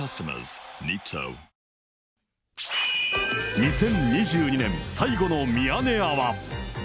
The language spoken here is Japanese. ２０２２年最後のミヤネ屋は。